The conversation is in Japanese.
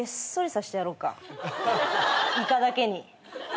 イカだけに。